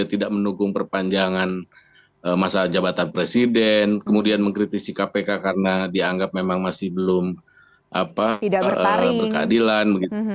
tidak mendukung perpanjangan masa jabatan presiden kemudian mengkritisi kpk karena dianggap memang masih belum berkeadilan